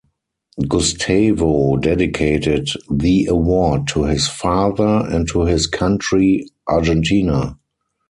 Gustavo dedicated the award to his father and to his country Argentina.